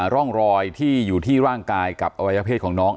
ร่องรอยที่อยู่ที่ร่างกายกับอวัยเพศของน้อง